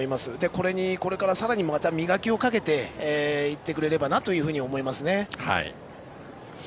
これに、これからさらに磨きをかけていってくれればと思いますね。